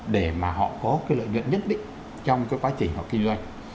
để mà họ có cái lợi nhuận nhất định trong cái quá trình họ kinh doanh